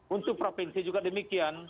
untuk provinsi juga demikian